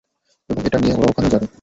এবং, এটা নিয়ে ওরা ওখানেই যাবে!